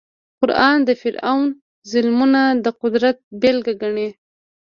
قران د فرعون ظلمونه د قدرت بېلګه ګڼي.